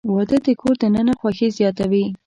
• واده د کور دننه خوښي زیاتوي.